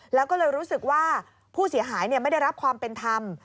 แล้วก็เลยรู้สึกว่าผู้เสียหายไม่ได้รับความเป็นธรรม